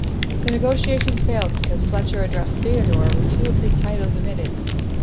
The negotiations failed because Fletcher addressed Feodor with two of his titles omitted.